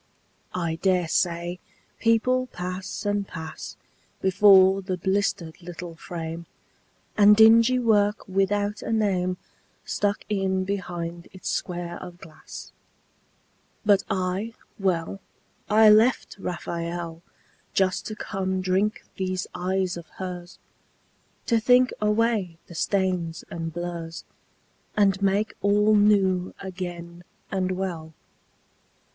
I dare say people pass and pass Before the blistered little frame, And dingy work without a name Stuck in behind its square of glass. But I, well, I left Raphael Just to come drink these eyes of hers, To think away the stains and blurs And make all new again and well.